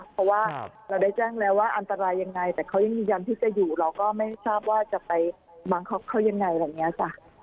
เพราะว่าเราได้แจ้งแล้วว่าอันตรายยังไงแต่เขายังยืนยันที่จะอยู่เราก็ไม่ทราบว่าจะไปบังเขายังไงอะไรอย่างนี้จ้ะ